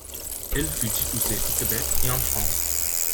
Elle fut diffusée au Québec et en France.